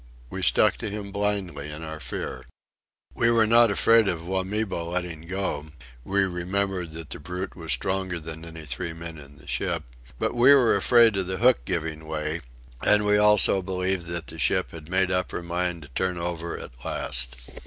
We stuck to him blindly in our fear. We were not afraid of Wamibo letting go (we remembered that the brute was stronger than any three men in the ship), but we were afraid of the hook giving way, and we also believed that the ship had made up her mind to turn over at last.